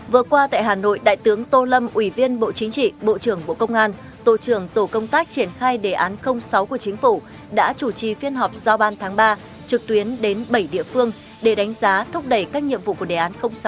vừa qua tại hà nội đại tướng tô lâm ủy viên bộ chính trị bộ trưởng bộ công an tổ trưởng tổ công tác triển khai đề án sáu của chính phủ đã chủ trì phiên họp giao ban tháng ba trực tuyến đến bảy địa phương để đánh giá thúc đẩy các nhiệm vụ của đề án sáu